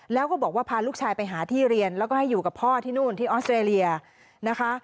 แล้วก็บอกว่าพาลูกชายไปหาที่เรียนแล้วก็ให้อยู่กับพ่อที่นู่นที่ออสเตรเลียนะคะ